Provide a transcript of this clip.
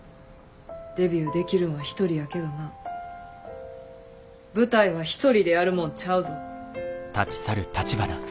デビューできるんは１人やけどな舞台は１人でやるもんちゃうぞ。